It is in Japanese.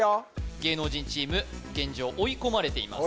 芸能人チーム現状追い込まれています